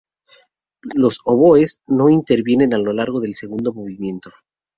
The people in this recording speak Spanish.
Los oboes no intervienen a lo largo del segundo movimiento.